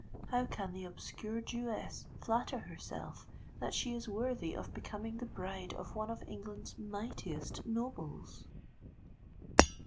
—how can the obscure Jewess flatter herself that she is worthy of becoming the bride of one of England's mightiest nobles?"